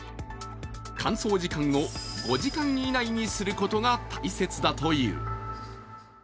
乾燥時間を５時間以内にすることが大切だという。